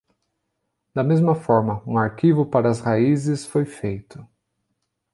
Da mesma forma, um arquivo para as raízes foi feito.